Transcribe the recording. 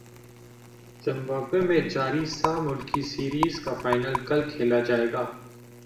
Zimbabwe میں جاری سہ ملکی سیریز کا فائنل کل کھیلا جائے گا